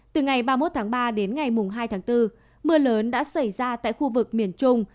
từ ngày ba mươi một tháng ba đến ngày hai tháng bốn mưa lớn đã xảy ra tại khu vực miền trung